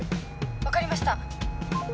分かりました。